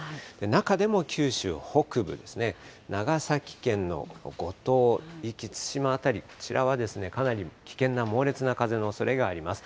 中でも九州北部ですね、長崎の五島、壱岐、対馬辺り、こちらはかなり危険な、猛烈な風のおそれがあります。